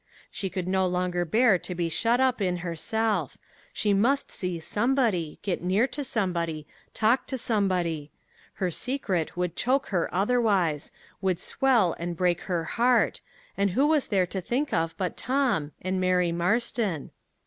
She could no longer bear to be shut up in herself; she must see somebody, get near to somebody, talk to somebody; her secret would choke her otherwise, would swell and break her heart; and who was there to think of but Tom and Mary Marston?